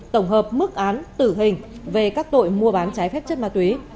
tổng hợp mức án tử hình về các tội mua bán trái phép chất ma túy